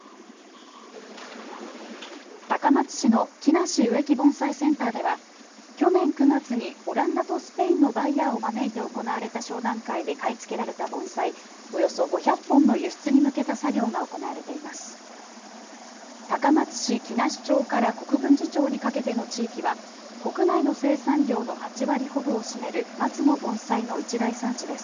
高松市の鬼無植木盆栽センターでは去年９月にオランダとスペインのバイヤーを招いて行われた商談会で買い付けられた盆栽およそ５００本の輸出に向けた作業が行われています。